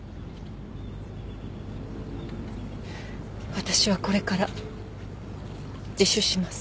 私はこれから自首します。